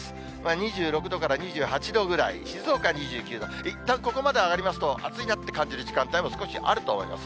２６度から２８度ぐらい、静岡２９度、いったんここまで上がりますと、暑いなって感じる時間帯も少しあると思います。